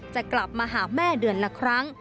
จะกลับมาหาแม่เดือนละครั้ง